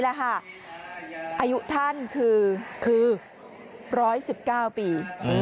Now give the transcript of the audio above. อายุท่านคือ๑๑๙ปี